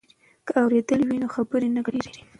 که اورېدل وي نو خبرې نه ګډوډیږي.